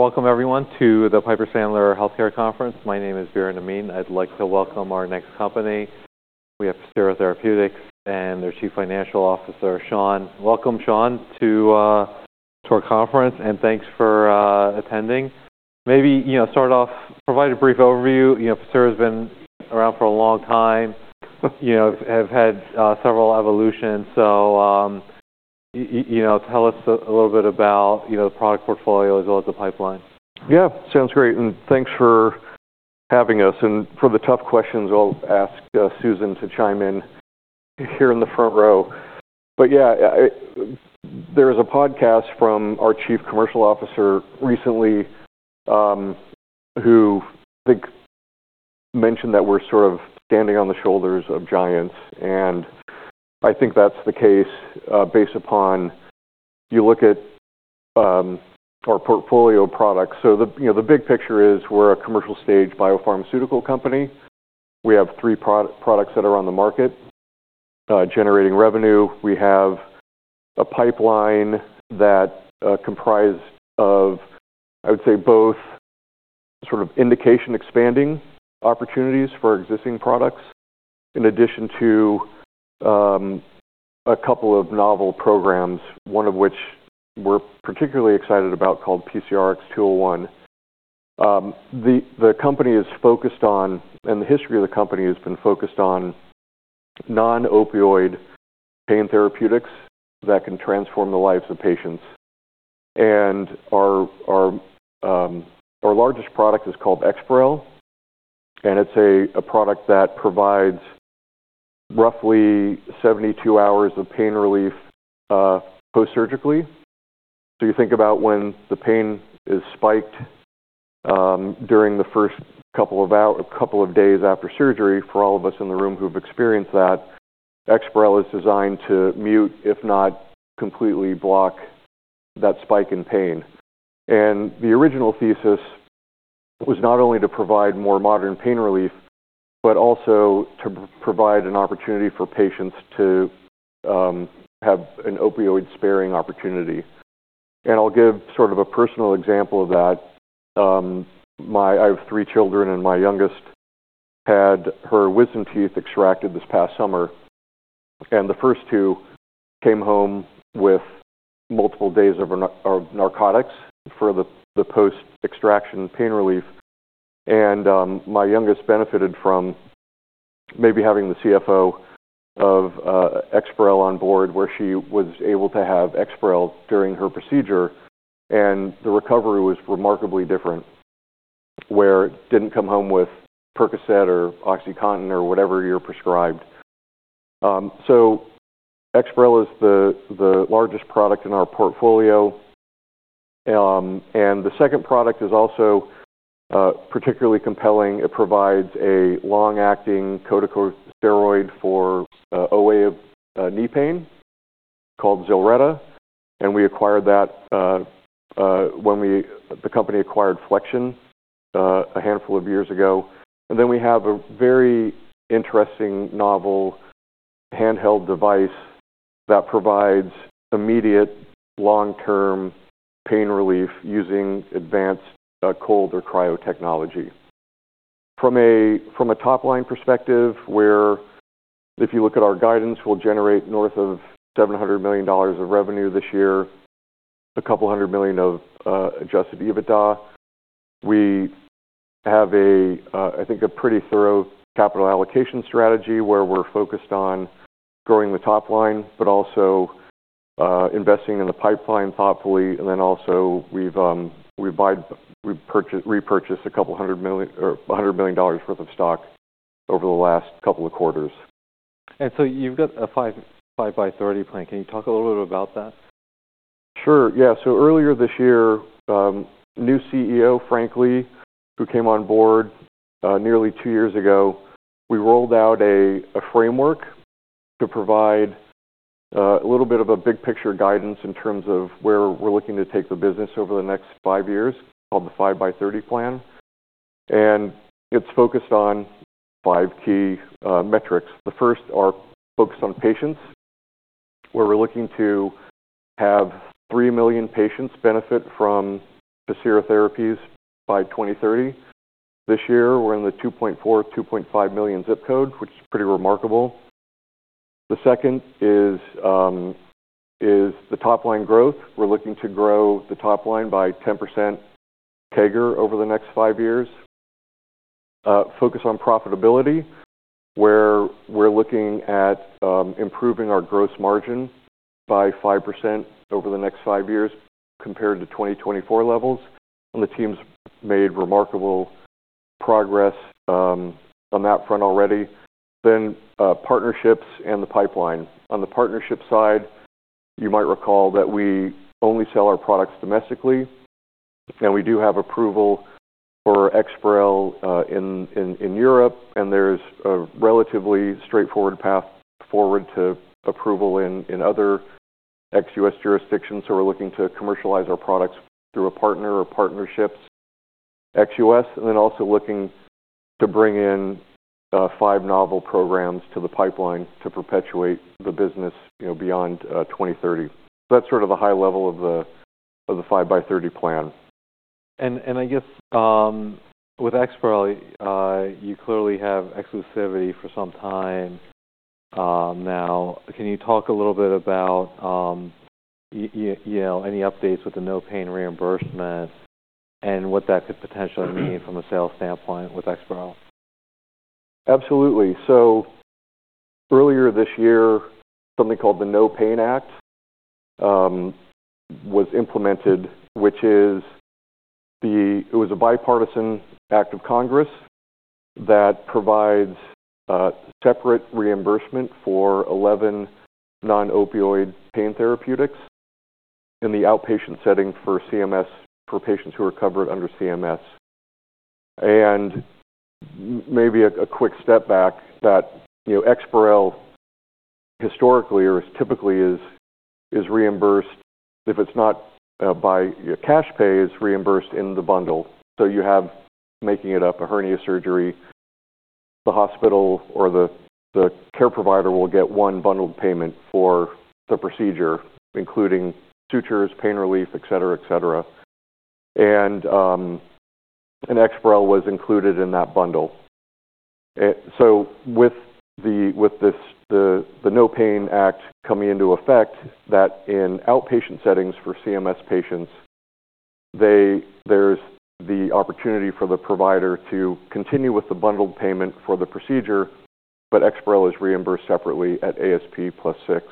You're welcome, everyone, to the Piper Sandler Healthcare Conference. My name is Biren Amin. I'd like to welcome our next company. We have Pacira BioSciences and their Chief Financial Officer, Shawn. Welcome, Shawn, to our conference, and thanks for attending. Maybe, you know, start off, provide a brief overview. You know, Pacira's been around for a long time, you know, has had several evolutions. So, you know, tell us a little bit about, you know, the product portfolio as well as the pipeline. Yeah. Sounds great. And thanks for having us. And for the tough questions, I'll ask Susan to chime in here in the front row. But yeah, there is a podcast from our chief commercial officer recently, who I think mentioned that we're sort of standing on the shoulders of giants. And I think that's the case, based upon, you look at, our portfolio of products. So the, you know, the big picture is we're a commercial-stage biopharmaceutical company. We have three products that are on the market, generating revenue. We have a pipeline that, comprised of, I would say, both sort of indication-expanding opportunities for existing products in addition to, a couple of novel programs, one of which we're particularly excited about called PCRX-201. The company is focused on, and the history of the company has been focused on non-opioid pain therapeutics that can transform the lives of patients. And our largest product is called EXPAREL, and it's a product that provides roughly 72 hours of pain relief, post-surgically. So you think about when the pain is spiked, during the first couple of hours couple of days after surgery. For all of us in the room who've experienced that, EXPAREL is designed to mute, if not completely block, that spike in pain. And the original thesis was not only to provide more modern pain relief, but also to provide an opportunity for patients to have an opioid-sparing opportunity. And I'll give sort of a personal example of that. I have three children, and my youngest had her wisdom teeth extracted this past summer. The first two came home with multiple days of narcotics for the post-extraction pain relief. My youngest benefited from maybe having the CFO of EXPAREL on board, where she was able to have EXPAREL during her procedure, and the recovery was remarkably different, where it didn't come home with Percocet or oxyContin or whatever you're prescribed. EXPAREL is the largest product in our portfolio. The second product is also particularly compelling. It provides a long-acting corticosteroid for OA knee pain called ZILRETTA. We acquired that when the company acquired Flexion a handful of years ago. Then we have a very interesting novel handheld device that provides immediate long-term pain relief using advanced cold or cryo technology. From a top-line perspective, where if you look at our guidance, we'll generate north of $700 million of revenue this year, a couple hundred million of adjusted EBITDA. We have a, I think, a pretty thorough capital allocation strategy where we're focused on growing the top line, but also investing in the pipeline thoughtfully. And then also we've repurchased a couple hundred million or $100 million worth of stock over the last couple of quarters. And so you've got a five by 30 Plan. Can you talk a little bit about that? Sure. Yeah. So earlier this year, new CEO Frank Lee, who came on board nearly two years ago, we rolled out a framework to provide a little bit of a big-picture guidance in terms of where we're looking to take the business over the next five years called the five by 30 Plan. And it's focused on five key metrics. The first are focused on patients, where we're looking to have three million patients benefit from Pacira therapies by 2030. This year, we're in the 2.4-2.5 million zip code, which is pretty remarkable. The second is the top-line growth. We're looking to grow the top line by 10% CAGR over the next five years. Focus on profitability, where we're looking at improving our gross margin by 5% over the next five years compared to 2024 levels. And the team's made remarkable progress on that front already. Then, partnerships and the pipeline. On the partnership side, you might recall that we only sell our products domestically, and we do have approval for EXPAREL in Europe. And there's a relatively straightforward path forward to approval in other ex-U.S. jurisdictions. So we're looking to commercialize our products through a partner or partnerships ex-U.S. And then also looking to bring in five novel programs to the pipeline to perpetuate the business, you know, beyond 2030. So that's sort of the high level of the five by 30 Plan. I guess, with EXPAREL, you clearly have exclusivity for some time now. Can you talk a little bit about, you know, any updates with the No Pain reimbursement and what that could potentially mean from a sales standpoint with EXPAREL? Absolutely. So earlier this year, something called the No Pain Act was implemented, which is, it was a bipartisan act of Congress that provides separate reimbursement for 11 non-opioid pain therapeutics in the outpatient setting for CMS for patients who are covered under CMS. And maybe a quick step back that, you know, EXPAREL historically or typically is reimbursed if it's not by, you know, cash pay, it's reimbursed in the bundle. So you have making it up a hernia surgery, the hospital or the care provider will get one bundled payment for the procedure, including sutures, pain relief, etc., etc. And EXPAREL was included in that bundle. And so with this, the No Pain Act coming into effect, that in outpatient settings for CMS patients, there's the opportunity for the provider to continue with the bundled payment for the procedure, but EXPAREL is reimbursed separately at ASP + six.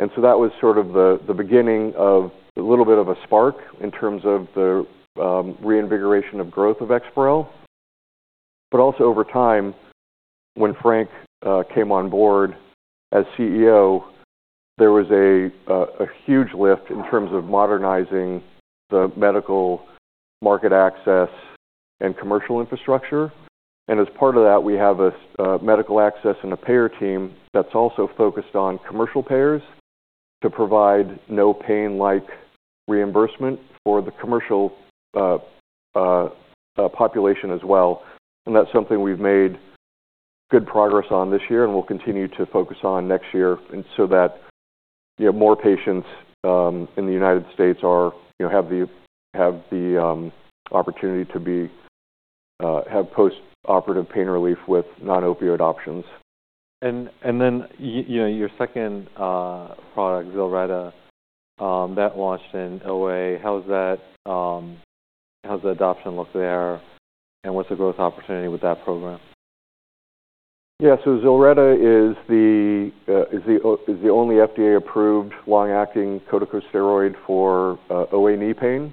And so that was sort of the beginning of a little bit of a spark in terms of the reinvigoration of growth of EXPAREL. But also over time, when Frank came on board as CEO, there was a huge lift in terms of modernizing the medical market access and commercial infrastructure. And as part of that, we have a medical access and a payer team that's also focused on commercial payers to provide no-pain-like reimbursement for the commercial population as well. That's something we've made good progress on this year and will continue to focus on next year so that, you know, more patients in the United States are, you know, have the opportunity to have post-operative pain relief with non-opioid options. And then, you know, your second product, ZILRETTA, that launched in OA. How's the adoption look there? And what's the growth opportunity with that program? Yeah. So ZILRETTA is the only FDA-approved long-acting corticosteroid for OA knee pain.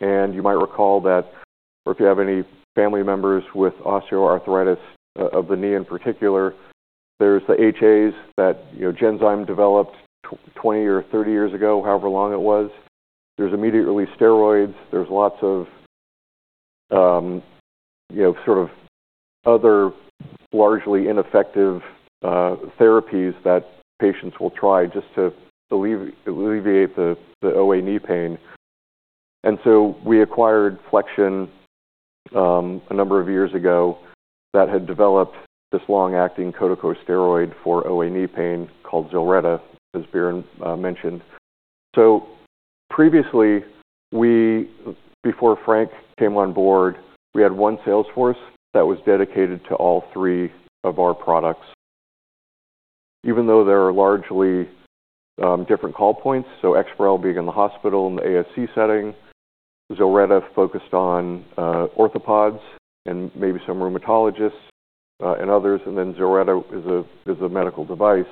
And you might recall that, or if you have any family members with osteoarthritis of the knee in particular, there's the HAs that, you know, Genzyme developed 20 or 30 years ago, however long it was. There's immediate release steroids. There's lots of, you know, sort of other largely ineffective therapies that patients will try just to alleviate the OA knee pain. And so we acquired Flexion a number of years ago that had developed this long-acting corticosteroid for OA knee pain called ZILRETTA, as Vera mentioned. So previously, before Frank came on board, we had one sales force that was dedicated to all three of our products. Even though they're largely different call points, so EXPAREL being in the hospital and the ASC setting, ZILRETTA focused on orthopods and maybe some rheumatologists, and others. And then ZILRETTA is a medical device.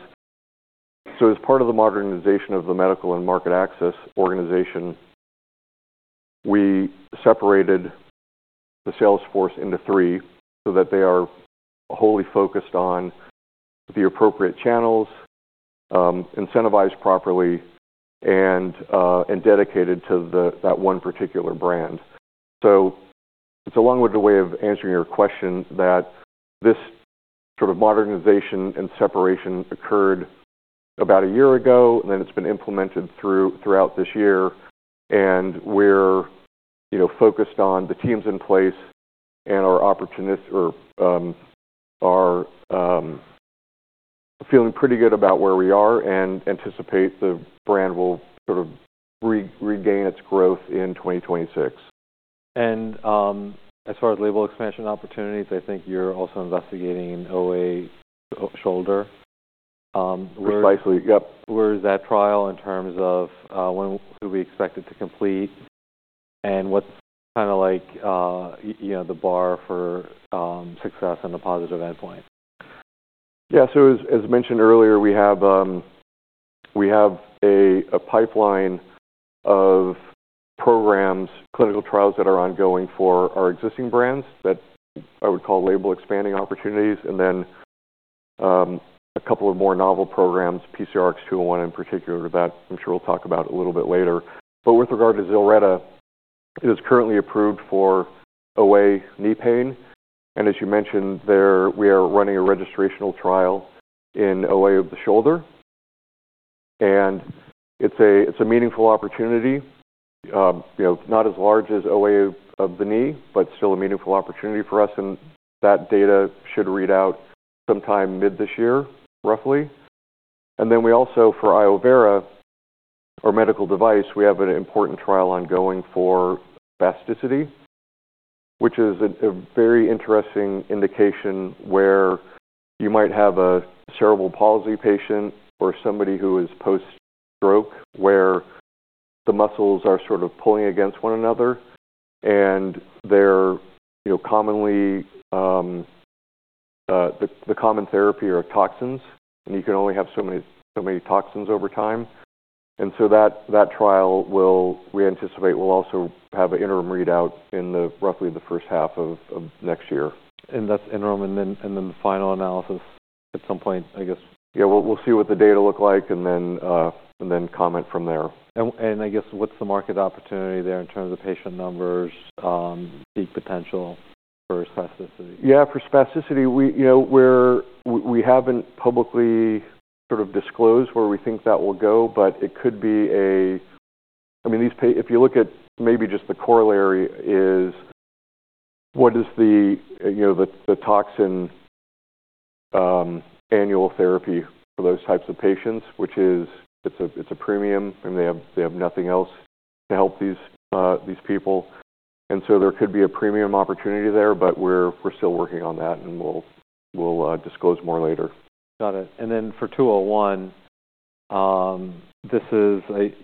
So as part of the modernization of the medical and market access organization, we separated the sales force into three so that they are wholly focused on the appropriate channels, incentivized properly, and dedicated to that one particular brand. So it's a long-winded way of answering your question that this sort of modernization and separation occurred about a year ago, and then it's been implemented throughout this year. And we're, you know, focused on the teams in place and our optimistic feeling pretty good about where we are and anticipate the brand will sort of regain its growth in 2026. And, as far as label expansion opportunities, I think you're also investigating OA shoulder, where. Precisely. Yep. Where is that trial in terms of when we expect it to complete and what's kind of like, you know, the bar for success and a positive endpoint? Yeah. So as mentioned earlier, we have a pipeline of programs, clinical trials that are ongoing for our existing brands that I would call label expanding opportunities, and then a couple of more novel programs, PCRX-201 in particular, that I'm sure we'll talk about a little bit later. But with regard to ZILRETTA, it is currently approved for OA knee pain. And as you mentioned, there we are running a registrational trial in OA of the shoulder. And it's a meaningful opportunity, you know, not as large as OA of the knee, but still a meaningful opportunity for us. And that data should read out sometime mid this year, roughly. And then we also, for iovera, our medical device, we have an important trial ongoing for spasticity, which is a very interesting indication where you might have a cerebral palsy patient or somebody who is post-stroke where the muscles are sort of pulling against one another. And they're, you know, commonly the common therapy are toxins, and you can only have so many toxins over time. And so that trial will we anticipate will also have an interim readout in the roughly the first half of next year. And that's interim. And then the final analysis at some point, I guess. Yeah. We'll see what the data look like and then comment from there. I guess what's the market opportunity there in terms of patient numbers, peak potential for spasticity? Yeah. For spasticity, we, you know, we haven't publicly sort of disclosed where we think that will go, but it could be a, I mean, these patients if you look at maybe just the corollary is what is the, you know, the toxin annual therapy for those types of patients, which is, it's a premium. I mean, they have nothing else to help these people. And so there could be a premium opportunity there, but we're still working on that, and we'll disclose more later. Got it. And then for 201, this is a,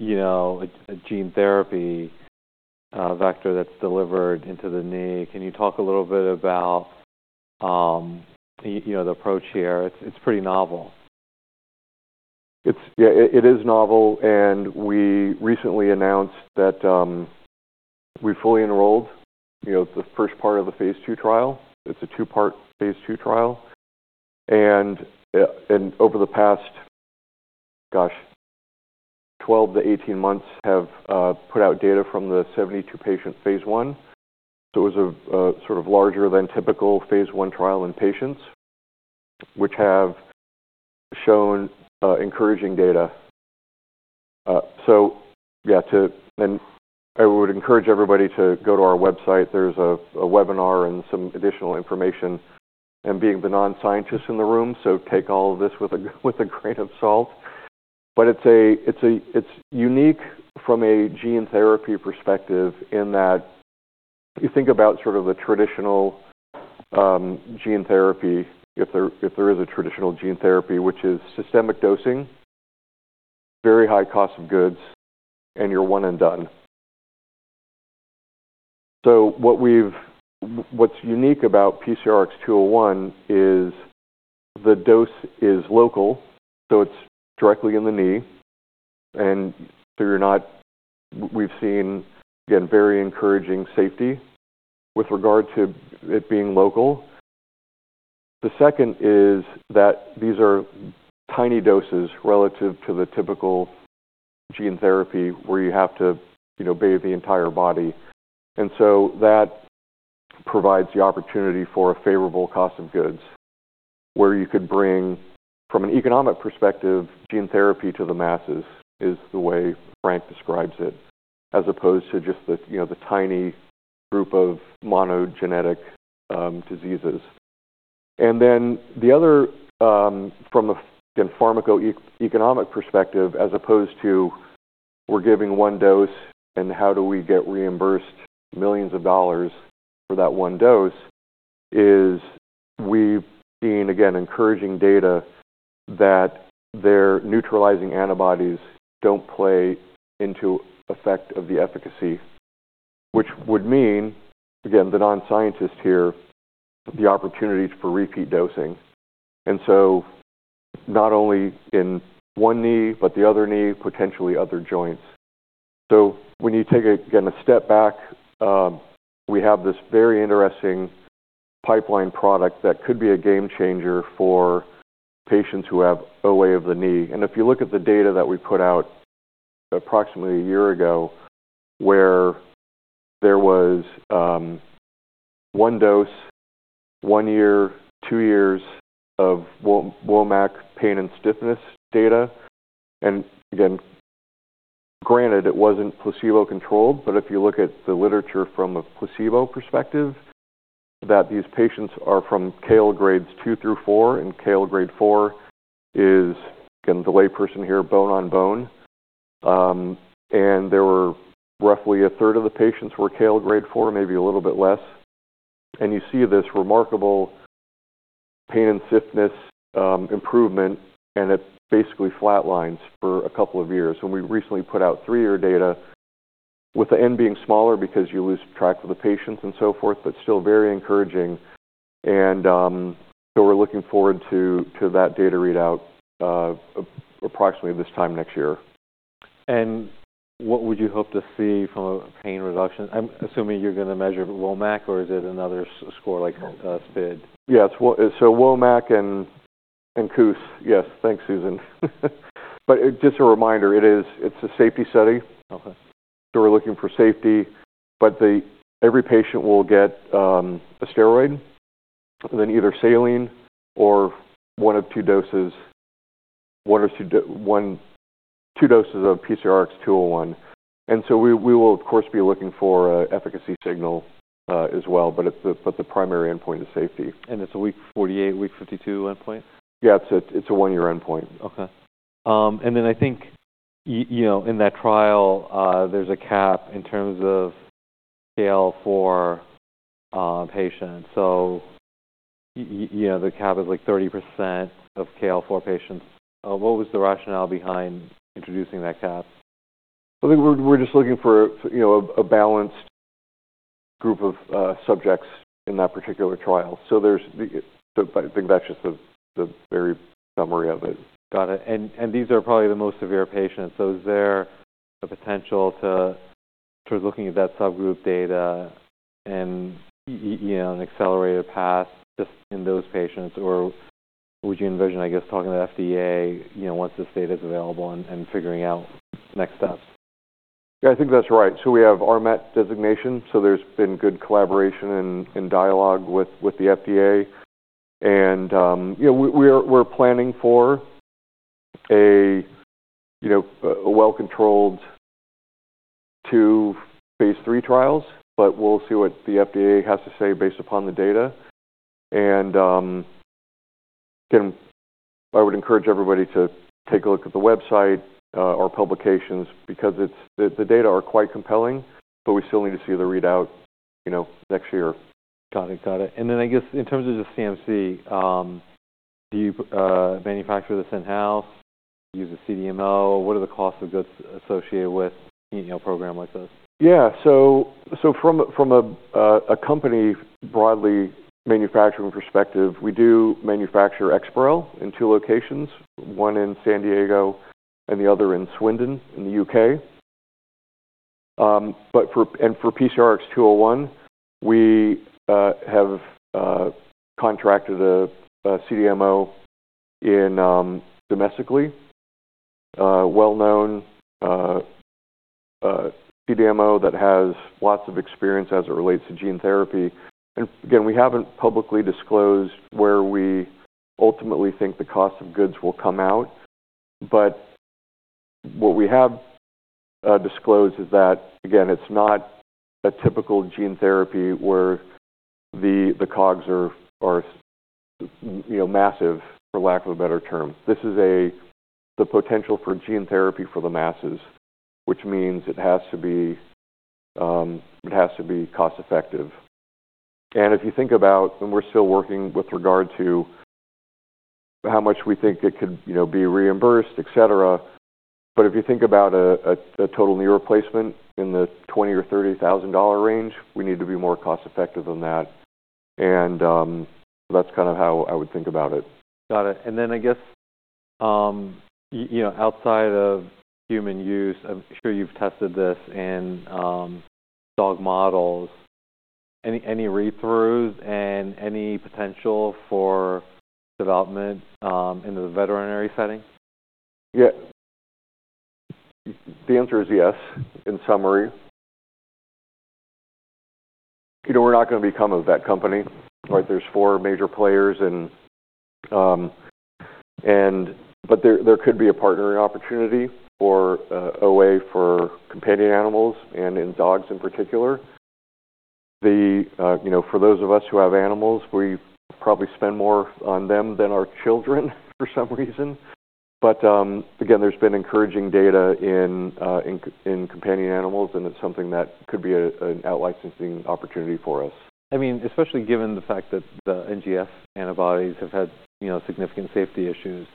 you know, a gene therapy vector that's delivered into the knee. Can you talk a little bit about, you know, the approach here? It's pretty novel. It's, yeah. It is novel. And we recently announced that we fully enrolled, you know, the first part of the phase II trial. It's a two-part phase II trial. And over the past, gosh, 12 to 18 months have put out data from the 72-patient phase I. So it was a sort of larger than typical phase I trial in patients, which have shown encouraging data. So yeah, too, and I would encourage everybody to go to our website. There's a webinar and some additional information. And being the non-scientist in the room, so take all of this with a grain of salt. But it's unique from a gene therapy perspective in that you think about sort of the traditional gene therapy, if there is a traditional gene therapy, which is systemic dosing, very high cost of goods, and you're one and done. So what's unique about PCRX-201 is the dose is local, so it's directly in the knee. And so we've seen, again, very encouraging safety with regard to it being local. The second is that these are tiny doses relative to the typical gene therapy where you have to, you know, baby the entire body. And so that provides the opportunity for a favorable cost of goods where you could bring, from an economic perspective, gene therapy to the masses is the way Frank describes it, as opposed to just the, you know, the tiny group of monogenic diseases. And then the other, from a again pharmacoeconomic perspective, as opposed to we're giving one dose and how do we get reimbursed millions of dollars for that one dose, is we've seen again encouraging data that their neutralizing antibodies don't play into effect of the efficacy, which would mean, again, the non-scientist here, the opportunities for repeat dosing. And so not only in one knee, but the other knee, potentially other joints. So when you take a again a step back, we have this very interesting pipeline product that could be a game changer for patients who have OA of the knee. And if you look at the data that we put out approximately a year ago where there was one dose, one year, two years of WOMAC pain and stiffness data. Again, granted, it wasn't placebo-controlled, but if you look at the literature from a placebo perspective, that these patients are from Kellgren grades two through four, and Kellgren grade four is, again, the layperson here, bone on bone. And there were roughly a third of the patients were Kellgren grade four, maybe a little bit less. And you see this remarkable pain and stiffness, improvement, and it basically flatlines for a couple of years. And, so we're looking forward to that data readout, approximately this time next year. And what would you hope to see from a pain reduction? I'm assuming you're gonna measure WOMAC, or is it another score like, SPID? Yeah. It's WOMAC and KOOS. Yes. Thanks, Susan. But just a reminder, it is. It's a safety study. Okay. We're looking for safety, but every patient will get a steroid and then either saline or one of two doses of PCRX-201. And so we will, of course, be looking for an efficacy signal, as well, but the primary endpoint is safety. And it's a week 48, week 52 endpoint? Yeah. It's a one-year endpoint. Okay. And then I think you know, in that trial, there's a cap in terms of Kell four patients. So you know, the cap is like 30% of Kell four patients. What was the rationale behind introducing that cap? I think we're just looking for, you know, a balanced group of subjects in that particular trial. So I think that's just the very summary of it. Got it. And these are probably the most severe patients. So is there a potential to sort of looking at that subgroup data and, you know, an accelerated path just in those patients, or would you envision, I guess, talking to the FDA, you know, once this data's available and figuring out next steps? Yeah. I think that's right. So we have RMAT designation. So there's been good collaboration and dialogue with the FDA. And, you know, we are planning for a well-controlled two phase III trials, but we'll see what the FDA has to say based upon the data. And, again, I would encourage everybody to take a look at the website, our publications because the data are quite compelling, but we still need to see the readout, you know, next year. Got it. Got it. And then I guess in terms of just CMC, do you manufacture this in-house, use a CDMO? What are the costs of goods associated with, you know, a program like this? Yeah. So from a company broadly manufacturing perspective, we do manufacture EXPAREL in two locations, one in San Diego and the other in Swindon in the U.K. But for PCRX-201, we have contracted a well-known domestic CDMO that has lots of experience as it relates to gene therapy. And again, we haven't publicly disclosed where we ultimately think the cost of goods will come out. But what we have disclosed is that, again, it's not a typical gene therapy where the cogs are, you know, massive, for lack of a better term. This is the potential for gene therapy for the masses, which means it has to be cost-effective. And if you think about it and we're still working with regard to how much we think it could, you know, be reimbursed, etc. But if you think about a total knee replacement in the $20,000-$30,000 range, we need to be more cost-effective than that. And that's kind of how I would think about it. Got it. And then I guess, you know, outside of human use, I'm sure you've tested this in dog models. Any read-throughs and any potential for development in the veterinary setting? Yeah. The answer is yes. In summary, you know, we're not gonna become a vet company, right? There's four major players in, and but there could be a partnering opportunity for OA for companion animals and in dogs in particular. You know, for those of us who have animals, we probably spend more on them than our children for some reason. But, again, there's been encouraging data in companion animals, and it's something that could be an outlicensing opportunity for us. I mean, especially given the fact that the NGF antibodies have had, you know, significant safety issues,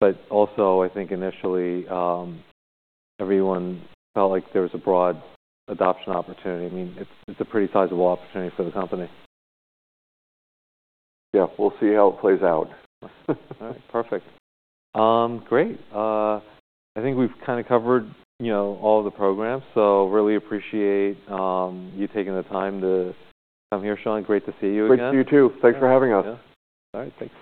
but also, I think initially, everyone felt like there was a broad adoption opportunity. I mean, it's a pretty sizable opportunity for the company. Yeah. We'll see how it plays out. All right. Perfect. Great. I think we've kinda covered, you know, all of the programs. So really appreciate you taking the time to come here, Shawn. Great to see you again. Great to see you too. Thanks for having us. Yeah. All right. Thanks.